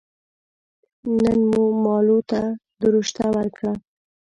نن مو مالو ته دروشته ور کړه